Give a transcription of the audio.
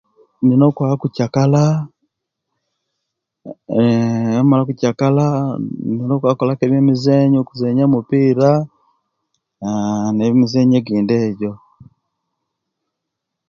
Ndina okwaba okukyakala eee obwemala okukyakala inina okukolaku bye'mizenyu okuzenya omupira aaaa nemizenyu egindi ejo